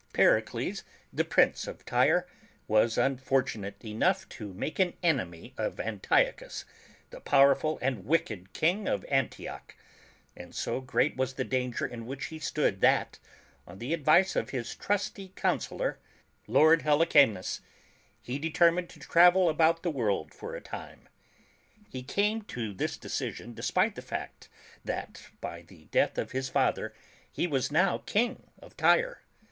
PERICLES, the Prince of Tyre, was unfortunate enough to make an enemy of Antiochus, the powerful and wicked King of Antioch; and so great was the danger in which he stood that, on the advice of his trusty counsellor, Lord Helicanus, he de termined to travel about the world for a time. He came to this de cision despite the fact that, by the death of his father, he was now King of Tyre.